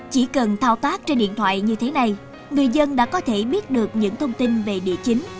chỉ cần thao tác trên điện thoại như thế này người dân đã có thể biết được những thông tin về địa chính